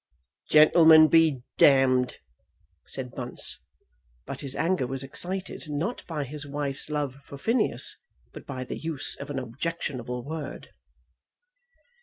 "Gentleman be d d," said Bunce. But his anger was excited, not by his wife's love for Phineas, but by the use of an objectionable word.